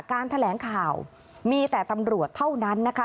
แถลงข่าวมีแต่ตำรวจเท่านั้นนะคะ